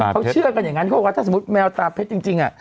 เขาเชื่อกันอย่างนั้นเขาบอกว่าถ้าสมมุติแมวตาเพชรจริง